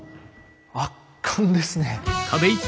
圧巻ですね！